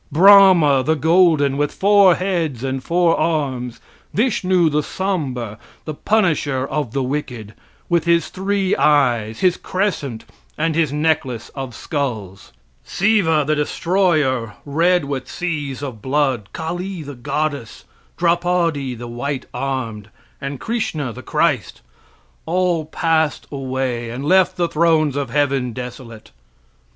Brahma, the golden, with four heads and four arms; Vishnu, the sombre, the punisher of the wicked, with his three eyes, his crescent, and his necklace of skulls; Siva, the destroyer, red with seas of blood; Kali, the goddess; Draupadi, the white armed, and Chrishna, the Christ, all passed away and left the thrones of heaven desolate.